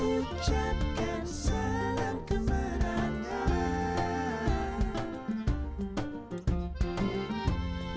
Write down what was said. ucapkan salam kemenangan